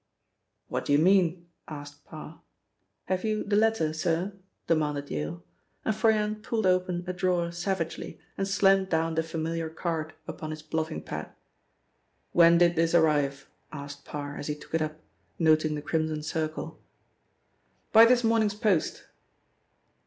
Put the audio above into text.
"What do you mean?" asked Parr. "Have you the letter, sir?" demanded Yale, and Froyant pulled open a drawer savagely and slammed down the familiar card upon his blotting pad. "When did this arrive?" asked Parr as he took it up, noting the Crimson Circle. "By this morning's post."